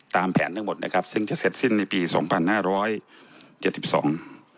ตามแผนทั้งหมดนะครับซึ่งจะเสร็จสิ้นในปีสองพันห้าร้อยเจ็ดสิบสอง